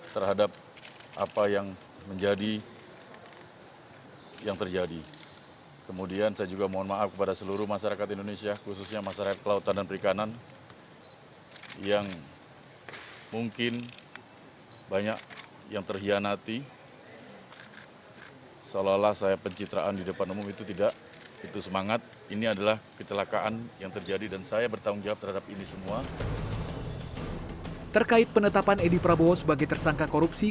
terkait penetapan edi prabowo sebagai tersangka korupsi